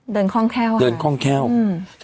คล่องแค่เดินคล่องแค้วอืม